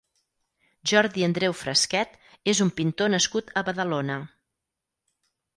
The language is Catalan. Jordi Andreu Fresquet és un pintor nascut a Badalona.